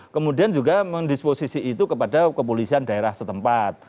kemudian juga mendisposisi itu kepada kepolisian daerah setempat